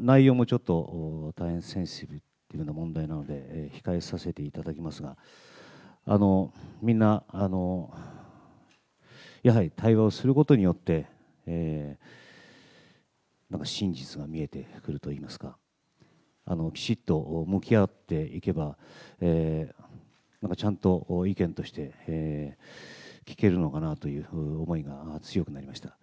内容もちょっと大変センシティブな問題なので、控えさせていただきますが、みんなやはり対話をすることによって、真実が見えてくるといいますか、きちっと向き合っていけば、ちゃんと意見として聞けるのかなという思いが強くなりました。